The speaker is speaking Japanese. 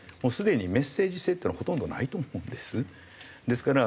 すでにメッセージ性というのはほとんどないと思うんです。